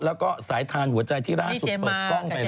แล้วก็สายทานหัวใจที่ล่าสุดเปิดกล้องไปแล้ว